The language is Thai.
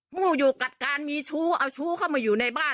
หมู้ยูกัดการมีโชว์เอาโชว์เข้ามาอยู่ในบ้าน